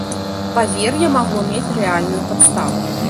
Павер'е магло мець рэальную падставу.